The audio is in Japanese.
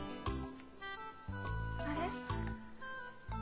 あれ？